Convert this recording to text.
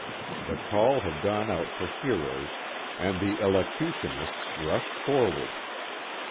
The call had gone out for heroes and the elocutionists rushed forward.